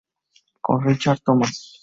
Con Richard Thomas.